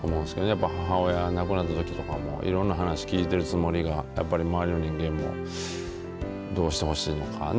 やっぱ母親亡くなられたときとかもいろんな話聞いているつもりが周りの人間もどうしてほしいのかね